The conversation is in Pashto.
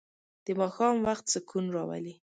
د ماښام وخت سکون راولي.